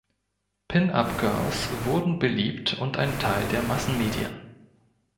Pin-up-Girls wurden beliebt und ein Teil der Massenmedien.